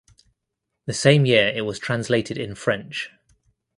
The same year it was translated in French.